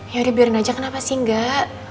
yaudah biarin aja kenapa sih enggak